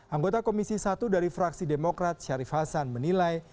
anggota komisi satu dari fraksi demokrat syarif hasan menilai